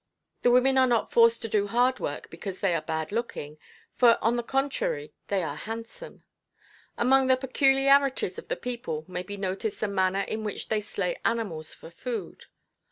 The women are not forced to do hard work because they are bad looking; for on the contrary they are handsome. Among the peculiarities of the people may be noticed the manner in which they slay animals for food.